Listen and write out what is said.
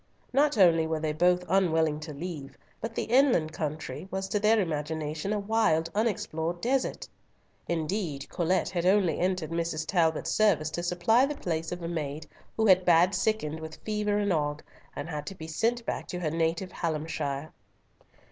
Not only were they both unwilling to leave, but the inland country was to their imagination a wild unexplored desert. Indeed, Colet had only entered Mrs. Talbot's service to supply the place of a maid who bad sickened with fever and ague, and had to be sent back to her native Hallamshire.